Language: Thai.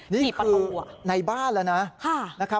นี่คือในบ้านแล้วนะ